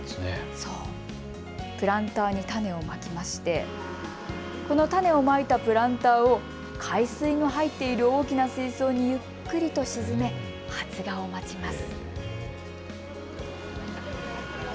プランターに種をまきまして、この種をまいたプランターを海水の入っている大きな水槽にゆっくりと沈め発芽を待ちます。